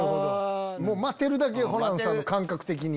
待てるだけホランさんの感覚的に。